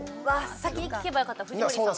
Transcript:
先に聞けばよかった、藤森さん。